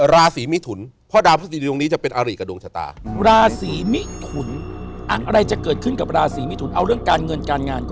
ราศีมิถุน